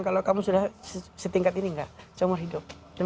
kalau kamu sudah setingkat ini enggak seumur hidup